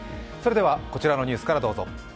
こちらのニュースからどうぞ。